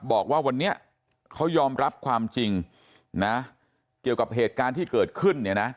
บอกว่าวันนี้เขายอมรับความจริงนะเกี่ยวกับเหตุการณ์ที่เกิดขึ้นเนี่ยนะ